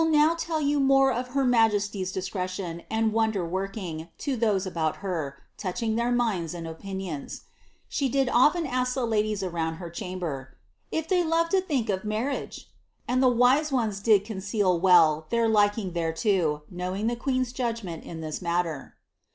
now tell you more of her majesty's discretion and wouder > those about her, touching their minds and opinions. She sk the ladies around her chamber, ^ if they loved to think of and the wise ones did conceal well their liking thereto, know xn's judgment in this matter.